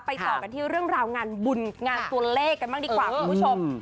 ไปต่อกันที่เรื่องราวงานบุญงานต์ทำลี่กันบ้างดีครับคุณผู้ชม